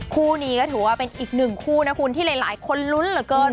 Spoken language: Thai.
คู่นี้ก็ถือว่าเป็นอีกหนึ่งคู่นะคุณที่หลายคนลุ้นเหลือเกิน